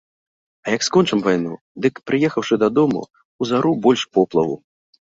А як скончым вайну, дык, прыехаўшы дадому, узару больш поплаву.